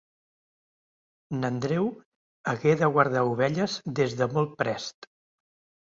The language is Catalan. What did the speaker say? N’Andreu hagué de guardar ovelles des de molt prest.